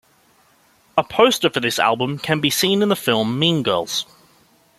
A poster for this album can be seen in the film, "Mean Girls".